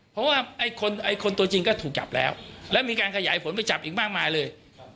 เพราะว่าคนตัวจริงก็ถูกจับแล้วแล้วมีการขยายผลไปจับอีกมากมายเลย